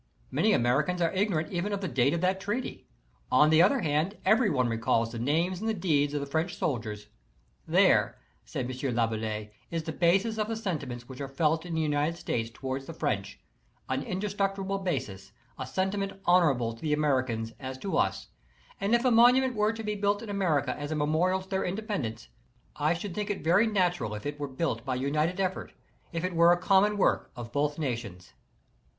Many Americans are igno rant even of the date of that treaty. On the other hand, every one recalls the names and the deeds of the French soldiers. There, said M. Laboulaye, is the basis of the sentiments which are felt in the United States toward the French, an indestructible basis, a sentiment honorable to the Americans as to us, and if a monument were to be built in America as a memorial to their independence, I should think it very natural if it were built by united effort, if it were a common work of both nations.